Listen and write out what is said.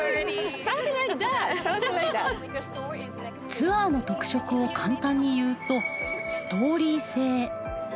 ツアーの特色を簡単に言うとストーリー性。